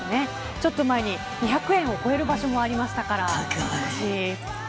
ちょっと前に２００円を超える場所もありましたから。